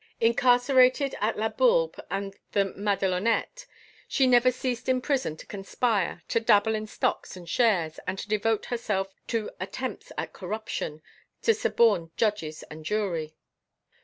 Incarcerated at La Bourbe and the Madelonnettes, she never ceased in prison to conspire, to dabble in stocks and shares and to devote herself to attempts at corruption, to suborn judges and jury.